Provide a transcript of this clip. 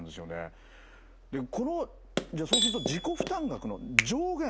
でこのじゃあそうすると自己負担額の上限